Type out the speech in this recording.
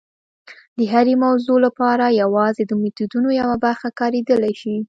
د هرې موضوع لپاره یوازې د میتودونو یوه برخه کارېدلی شي.